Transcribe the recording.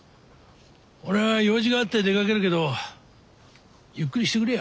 俺は用事があって出かけるけどゆっくりしてくれや。